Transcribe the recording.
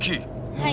はい。